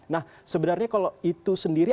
nah sebenarnya kalau itu sendiri